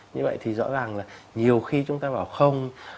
như vậy thì rõ ràng là nhiều khi chúng ta bảo không